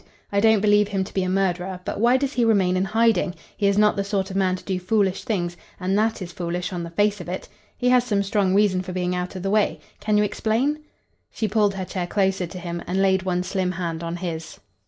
"I don't believe him to be a murderer, but why does he remain in hiding? He is not the sort of man to do foolish things, and that is foolish on the face of it. He has some strong reason for being out of the way. Can you explain?" She pulled her chair closer to him, and laid one slim hand on his.